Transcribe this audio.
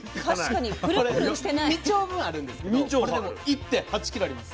これ２丁分あるんですけどこれでも１．８ｋｇあります。